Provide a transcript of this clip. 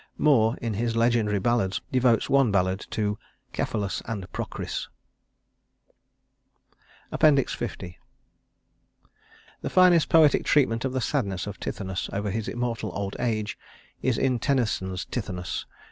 Moore, in his Legendary Ballads, devotes one ballad to "Cephalus and Procris." L The finest poetic treatment of the sadness of Tithonus over his immortal old age is in Tennyson's "Tithonus."